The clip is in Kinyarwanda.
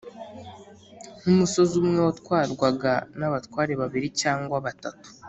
nk'umusozi umwe watwarwaga n'abatware babiri cyangwa batatu: